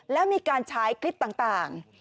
และมีการใช้คลิปต่าง